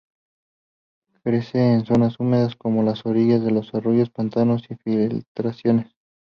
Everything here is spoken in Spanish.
Crece en zonas húmedas, como las orillas de los arroyos, pantanos y filtraciones.